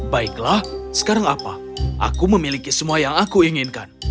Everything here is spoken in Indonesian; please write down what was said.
baiklah sekarang apa aku memiliki semua yang aku inginkan